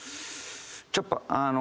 「ちょっぱあの」。